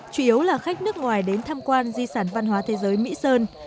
chủ yếu là khách nước ngoài đến tham quan di sản văn hóa thế giới mỹ sơn